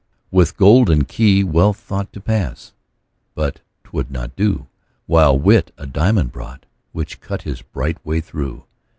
With golden key Wealth thought To pass but 'twould not do: While Wit a diamond brought, Which cut his bright way through.